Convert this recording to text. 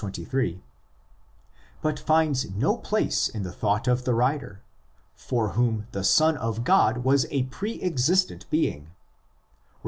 23), but finds no place in the thought of the writer, for whom the Son of God was a pre existent being (Rom.